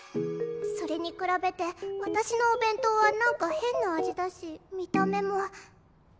それに比べて私のお弁当はなんか変な味だしあ